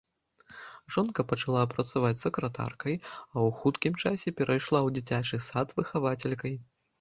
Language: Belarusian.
Жонка пачала працаваць сакратаркай, а ў хуткім часе перайшла ў дзіцячы сад выхавацелькай.